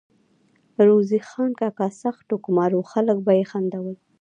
روزې خان کاکا سخت ټوکمار وو ، خلک به ئی خندول